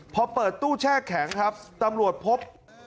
พอเปิดตู้แช่แข็งครับตำรวจพบ